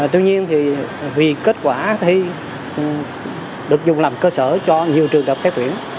tuy nhiên thì vì kết quả thì được dùng làm cơ sở cho nhiều trường đại học xét tuyển